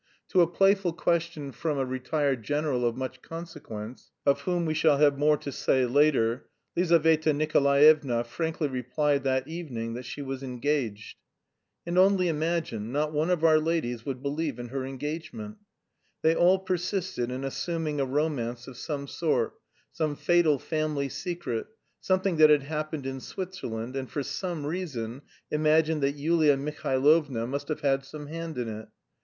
To a playful question from a retired general of much consequence, of whom we shall have more to say later, Lizaveta Nikolaevna frankly replied that evening that she was engaged. And only imagine, not one of our ladies would believe in her engagement. They all persisted in assuming a romance of some sort, some fatal family secret, something that had happened in Switzerland, and for some reason imagined that Yulia Mihailovna must have had some hand in it.